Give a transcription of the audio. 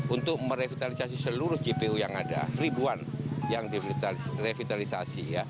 untuk merevitalisasi seluruh jpo yang ada ribuan yang direvitalisasi